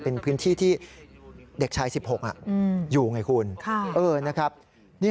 เป็นพื้นที่ที่เด็กชาย๑๖อยู่ไงคุณนะครับ